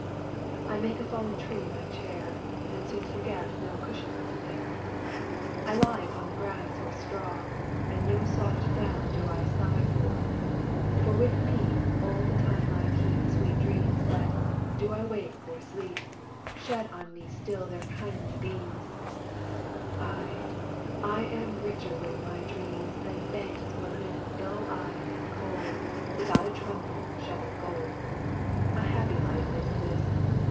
I make a fallen tree my chair, And soon forget no cushion's there; I lie upon the grass or straw, And no soft down do I sigh for; For with me all the time I keep Sweet dreams that, do I wake or sleep, Shed on me still their kindly beams; Aye, I am richer with my dreams Than banks where men dull eyed and cold Without a tremble shovel gold. A happy life is this.